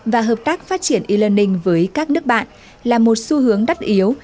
và hợp tác phát triển e learning với các nước bạn là một xu hướng đắt yếu